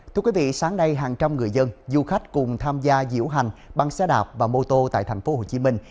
thưa quý vị sáng nay hàng trăm người dân du khách cùng tham gia diễu hành bằng xe đạp và mô tô tại thành phố hồ chí minh